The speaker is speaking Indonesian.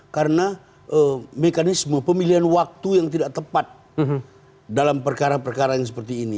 karena mekanisme pemilihan waktu yang tidak tepat dalam perkara perkara yang seperti ini